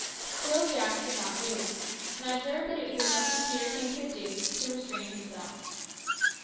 Still Jack did not move, and I observed that it was as much as Peterkin could do to restrain himself.